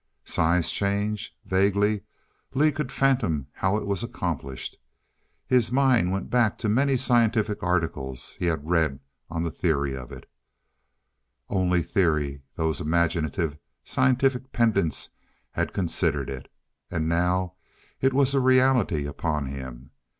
Size change! Vaguely, Lee could fathom how it was accomplished; his mind went back to many scientific articles he had read on the theory of it only theory, those imaginative scientific pedants had considered it; and now it was a reality upon him!